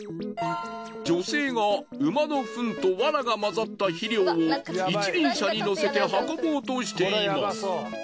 女性が馬の糞とワラが混ざった肥料を一輪車に載せて運ぼうとしています。